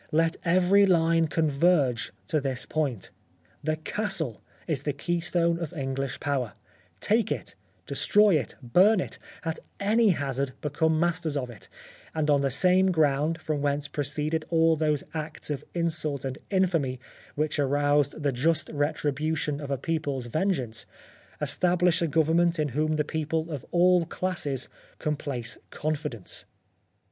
Let every line converge to this point. The Castle is the key stone of English power ; take it, destroy it, burn it — at any hazard become masters of it, and on the same ground from whence proceeded all those acts of insult and infamy which aroused the just retribution of a people's vengeance, establish a government in whom the people of all classes can place con fidence.